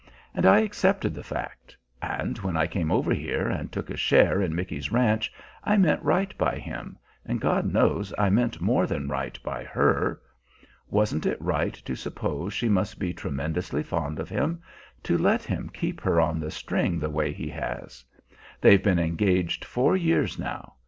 And I accepted the fact; and when I came over here and took a share in Micky's ranch I meant right by him, and God knows I meant more than right by her. Wasn't it right to suppose she must be tremendously fond of him, to let him keep her on the string the way he has? They've been engaged four years now.